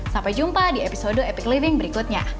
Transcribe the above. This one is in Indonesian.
sampai jumpa di episode epic living berikutnya